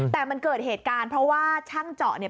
แต่มันเกิดเหตุการณ์เพราะว่าช่างเจาะเนี่ย